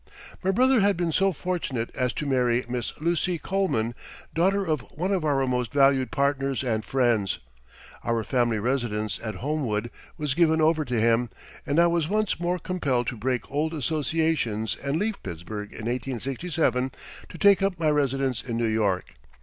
My brother had been so fortunate as to marry Miss Lucy Coleman, daughter of one of our most valued partners and friends. Our family residence at Homewood was given over to him, and I was once more compelled to break old associations and leave Pittsburgh in 1867 to take up my residence in New York.